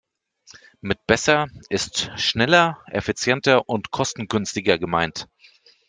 Mit besser ist schneller, effizienter und kostengünstiger gemeint.